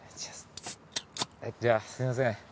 じゃあすみません。